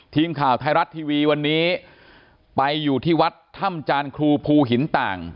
ทีมข่าวไทยรัฐทีวีวันนี้ไปอยู่ที่วัดถ้ำจานครูภูหินต่าง